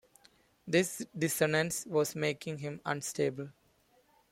This dissonance was making him unstable.